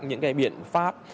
những cái biện pháp